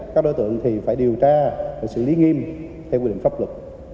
các đối tượng thì phải điều tra và xử lý nghiêm theo quy định pháp luật